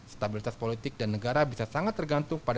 stabilitas politik dan negara bisa sangat tergantung pada